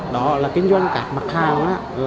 đó là kinh doanh cả mặt hàng